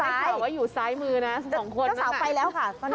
แต่สาวว่างอยู่ซ้ายมือนะ๒คน